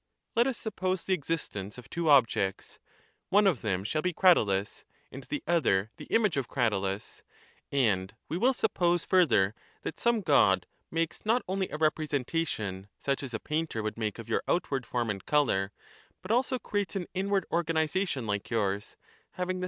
Let us suppose the existence of two objects : one of them shall be Cratylus, and the other the image of Cratylus ; and we will suppose, further, that some God makes not only a representation such as a painter would make of your outward form and colour, Names correct and incorrect. 379 but also creates an inward organization like yours, having the Cratyius.